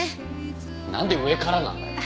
なんで上からなんだよ！